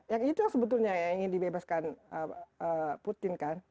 yang itu yang sebetulnya yang ingin dibebaskan putin kan